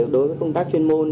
đối với công tác chuyên môn